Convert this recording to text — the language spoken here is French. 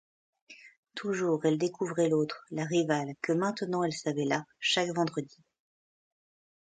Toujours, elle découvrait l'autre, la rivale, que maintenant elle savait là, chaque vendredi.